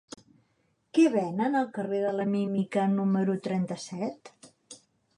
Què venen al carrer de la Mímica número trenta-set?